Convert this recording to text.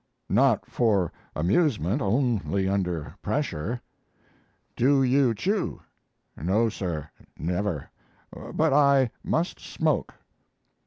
"Not for amusement; only under pressure." "Do you chew?" "No, sir, never; but I must smoke."